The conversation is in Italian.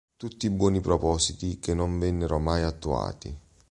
Tutti buoni propositi che non vennero mai attuati.